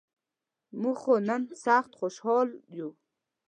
مونږ خو نن سخت خوشال یوو.